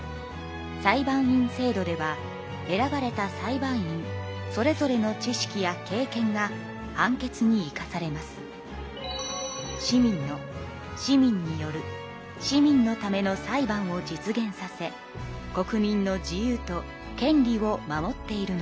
裁判員制度では選ばれた裁判員それぞれの知識や経験が判決に生かされます。を実現させ国民の自由と権利を守っているのです。